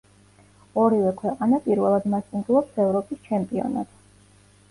ორივე ქვეყანა პირველად მასპინძლობს ევროპის ჩემპიონატს.